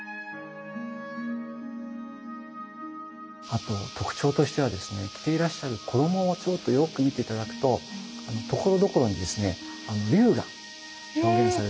あと特徴としてはですね着ていらっしゃる衣をよく見て頂くとところどころにですね龍が表現されていると思うんですけども。